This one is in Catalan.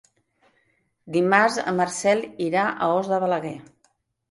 Dimarts en Marcel irà a Os de Balaguer.